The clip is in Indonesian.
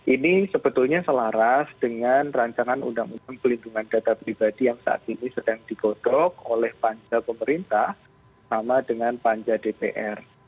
ini sebetulnya selaras dengan rancangan undang undang pelindungan data pribadi yang saat ini sedang digodok oleh panja pemerintah sama dengan panja dpr